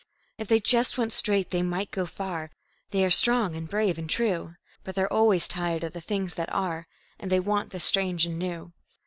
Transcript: If they just went straight they might go far; They are strong and brave and true; But they're always tired of the things that are, And they want the strange and new.